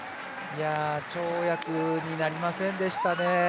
跳躍になりませんでしたね。